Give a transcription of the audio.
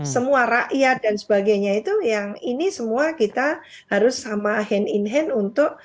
semua rakyat dan sebagainya itu yang ini semua kita harus sama hand in hand untuk